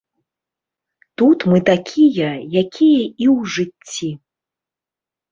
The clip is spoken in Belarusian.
Тут мы такія, якія і ў жыцці.